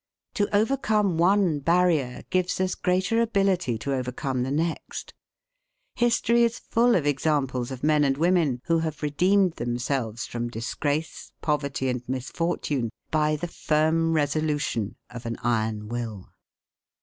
To overcome one barrier gives us greater ability to overcome the next. History is full of examples of men and women who have redeemed themselves from disgrace, poverty, and misfortune, by the firm resolution of an iron will.